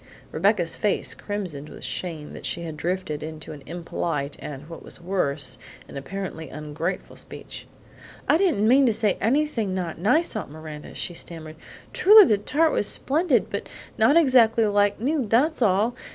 Rebecca's face crimsoned with shame that she had drifted into an impolite and, what was worse, an apparently ungrateful speech. "I didn't mean to say anything not nice, Aunt Miranda," she stammered. "Truly the tart was splendid, but not exactly like new, that's all.